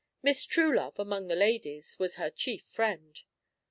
Miss Troolove, among the ladies, was her chief friend.